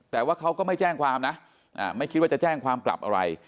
แต่ว่าเขาก็ไม่แจ้งความนะไม่คิดว่าจะแจ้งความกลับอะไร